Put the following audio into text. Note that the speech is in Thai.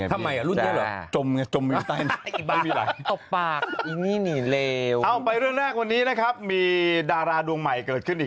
ทำไมอ่ะรุ่นนี้เหรอจมอยู่ใต้นี่